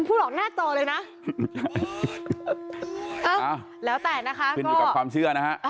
มันพูดหลอกน่าตัวเลยนะเอ้าแล้วแต่นะคะก็ขึ้นอยู่กับความเชื่อนะฮะ